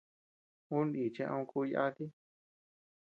Ú nichi ama kú yati.